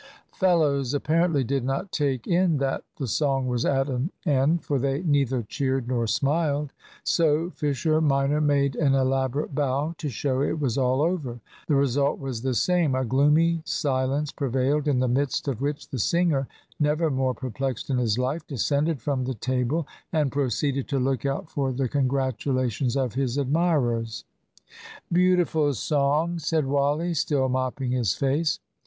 Fellows apparently did not take in that the song was at an end, for they neither cheered nor smiled. So Fisher minor made an elaborate bow to show it was all over. The result was the same. A gloomy silence prevailed, in the midst of which the singer, never more perplexed in his life, descended from the table and proceeded to look out for the congratulations of his admirers. "Beautiful song," said Wally, still mopping his face.